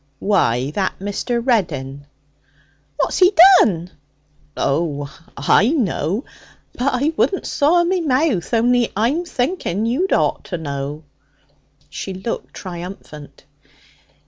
'Why, that Mr. Reddin.' 'What's he done?' 'Oh, I know! But I wouldn't soil me mouth, only I'm thinking you'd ought to know.' She looked triumphant.